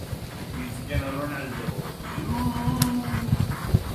Está situado en un lugar elevado, construido sobre la roca.